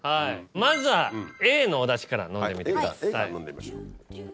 まずはＡのおだしから飲んでみてください。